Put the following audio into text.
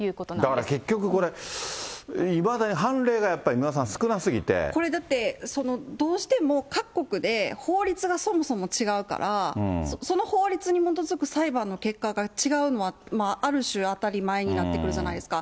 だから結局これ、いまだに判例がやっぱり、三輪さん、これ、だって、どうしても、各国で法律がそもそも違うから、その法律に基づく裁判の結果が違うのは、ある種、当たり前になってくるじゃないですか。